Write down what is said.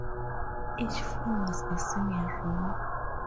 Each floor was a single room.